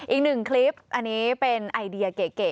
อีกหนึ่งคลิปอันนี้เป็นไอเดียเก๋